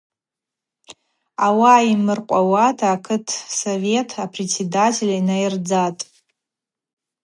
Ауаъа ймыркъвауата акытсовет апредседатель йнайырдзатӏ.